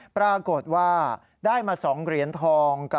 ปรากฏว่าได้มา๒เหรียญทอง